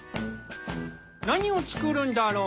何を作るんだろう。